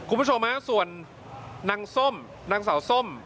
คุณผู้ชมฮะส่วนนางส้มนางสาวส้ม